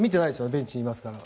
ベンチにいますから。